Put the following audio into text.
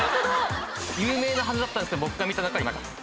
有名なはずだったんですが僕が見た中になかった。